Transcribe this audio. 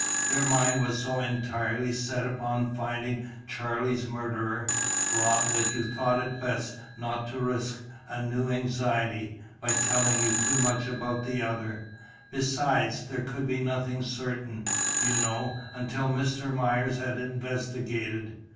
"Your mind was so entirely set upon finding Charlie's murderer, Rob, that they thought it best not to risk a new anxiety by telling you too much about the other; besides, there could be nothing certain, you know, until Mr. Myers had investigated.